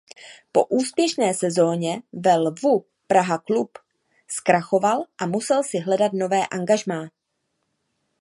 Po úspěšné sezoně ve Lvu Praha klub zkrachoval a musel si hledat nové angažmá.